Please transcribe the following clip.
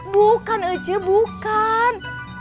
bukan aja bukan